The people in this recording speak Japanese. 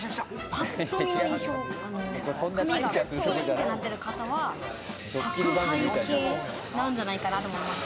ぱっと見の印象、髪がピンとなってる方は宅配系なんじゃないかなと思います。